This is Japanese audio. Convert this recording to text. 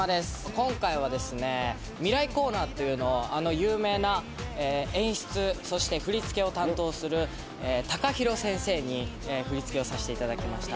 今回はミライコーナーというのを有名な演出そして振り付けを担当するＴＡＫＡＨＩＲＯ先生に振り付けをさせていただきました。